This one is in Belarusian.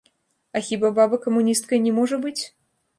А хіба баба камуністкай не можа быць?